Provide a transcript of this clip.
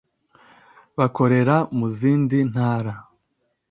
bakorera mu zindi ntara